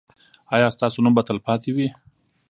ایا ستاسو نوم به تلپاتې وي؟